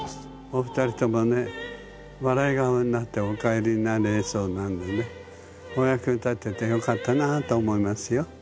お二人ともね笑い顔になってお帰りになれそうなんでねお役に立ててよかったなあと思いますよ。